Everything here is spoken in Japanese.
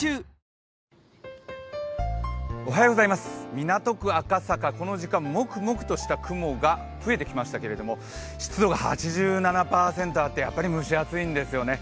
港区赤坂、この時間モクモクとした雲が増えてきましたけれども湿度が８７％あってやっぱり蒸し暑いんですよね。